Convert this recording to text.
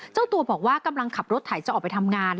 เจ้าตัวบอกว่ากำลังขับรถไถจะออกไปทำงาน